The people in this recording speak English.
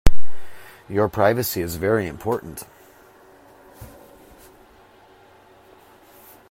Your privacy is very important.